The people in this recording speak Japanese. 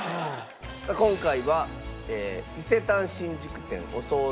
さあ今回は伊勢丹新宿店お惣菜